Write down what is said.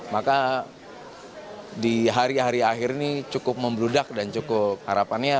maka di hari hari akhir ini cukup membludak dan cukup harapannya